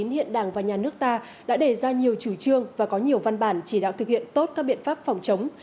hiện đảng và nhà nước ta đã đề ra nhiều chủ trương và có nhiều văn bản chỉ đạo thực hiện tốt các biện pháp phòng chống